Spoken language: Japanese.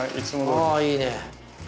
あいいね！